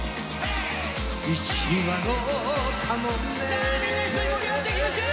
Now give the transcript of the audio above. さあみんな一緒に盛り上がっていきましょう！